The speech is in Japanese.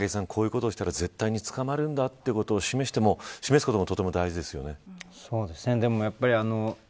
武井さん、こういう事をしたら絶対に捕まるんだということを示すこともとても大事ですよね。